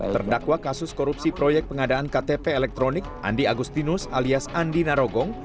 terdakwa kasus korupsi proyek pengadaan ktp elektronik andi agustinus alias andi narogong